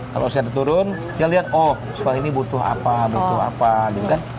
kalau saya turun dia lihat oh sekolah ini butuh apa butuh apa gitu kan